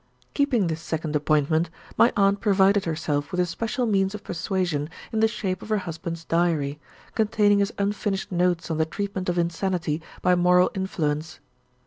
Keeping this second appointment, my aunt provided herself with a special means of persuasion in the shape of her husband's diary, containing his unfinished notes on the treatment of insanity by moral influence.